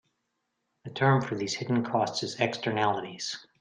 The term for these hidden costs is "Externalities".